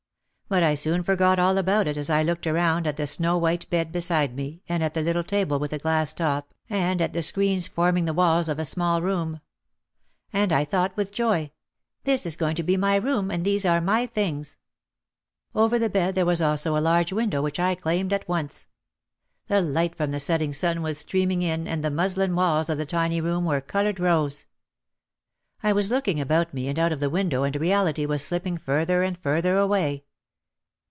But I soon forgot all about it as I looked around at the snow white bed beside me and at the little table with a glass top and at the screens forming the walls of a small OUT OF THE SHADOW 235 room. And I thought with joy, "This is going to be my room and these are my things." Over the bed there was also a large window which I claimed at once. The light from the setting sun was streaming in and the muslin walls of the tiny room were coloured rose. I was looking about me and out of the window and reality was slipping further and further away.